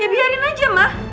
ya biarin aja mah